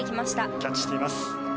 キャッチしています。